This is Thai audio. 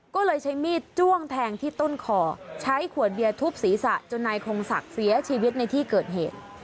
ก็เลยใช้มีดจ้วงแทงที่ต้นคอใช้ขวดเบียร์ทุบศีรษะจนนายคงศักดิ์เสียชีวิตในที่เกิดเหตุ